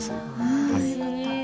あよかった。